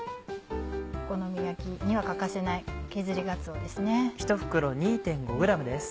お好み焼きには欠かせない削りがつおですね。